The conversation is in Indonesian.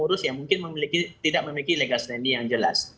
pengurus yang mungkin tidak memiliki legal standing yang jelas